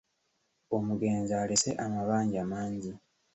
Omugenzi alese amabanja mangi.